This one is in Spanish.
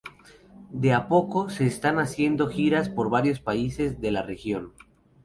De a poco, se están haciendo giras por varios países de la región.